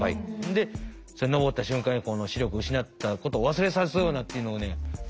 で登った瞬間に視力失ったことを忘れさすようなっていうのはねすばらしい。